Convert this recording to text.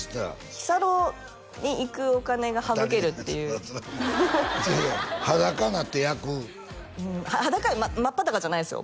日サロに行くお金が省けるっていう違う違う裸になって焼く裸真っ裸じゃないですよ